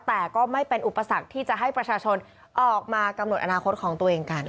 แต่ก็ไม่เป็นอุปสรรคที่จะให้ประชาชนออกมากำหนดอนาคตของตัวเองกัน